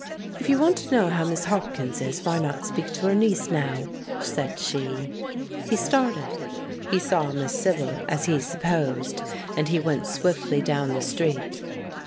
"If you want to know how Miss Hopkins is, why not speak to her niece now?" said she. He started. He saw Miss Sibyl, as he supposed, and he went swiftly down the street.